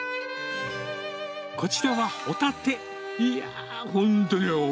こちらはホタテ。